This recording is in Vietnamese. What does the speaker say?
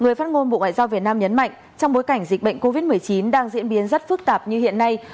người phát ngôn bộ ngoại giao việt nam nhấn mạnh trong bối cảnh dịch bệnh covid một mươi chín đang diễn biến rất phức tạp như hiện nay